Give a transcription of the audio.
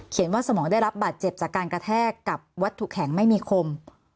ว่าสมองได้รับบาดเจ็บจากการกระแทกกับวัตถุแข็งไม่มีคม